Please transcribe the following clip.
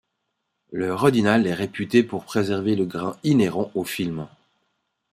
Le Rodinal est réputé pour préserver le grain inhérent au film.